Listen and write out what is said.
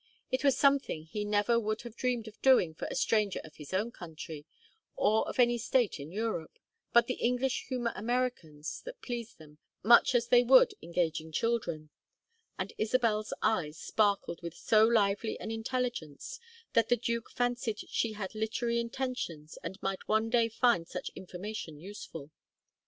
It was something he never would have dreamed of doing for a stranger of his own country, or of any state in Europe, but the English humor Americans that please them much as they would engaging children; and Isabel's eyes sparkled with so lively an intelligence that the duke fancied she had literary intentions and might one day find such information useful.